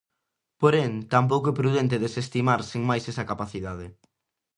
Porén, tampouco é prudente desestimar sen máis esa capacidade.